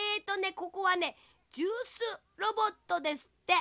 ここはねジュースロボットですって。